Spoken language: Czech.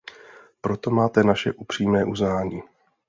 Proto máte naše upřímné uznání.